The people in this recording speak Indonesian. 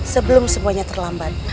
sebelum semuanya terlambat